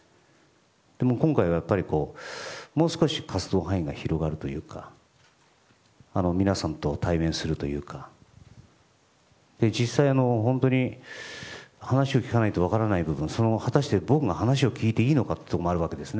でも、これからはもう少し活動範囲が広がるというか皆さんと対面するというか実際、本当に話を聞かないと分からない部分そのまま果たして僕が話を聞いていいのかというところもあります。